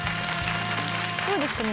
どうですか？